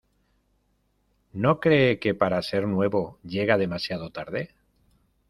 ¿ no cree que, para ser nuevo , llega demasiado tarde?